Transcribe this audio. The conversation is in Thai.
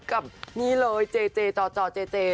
กับนี่เลยเจ๊เจ๋เจ๋ปบเจ๋ปบเจ๋ปบเจ๋